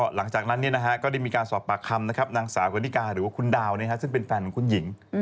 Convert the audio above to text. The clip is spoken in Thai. หลังจากนั้นก็ได้มีการสอบปากคำนางสาวกนิกาหรือว่าคุณดาวซึ่งเป็นแฟนของคุณหญิง